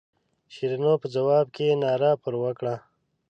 شیرینو په ځواب کې ناره پر وکړه.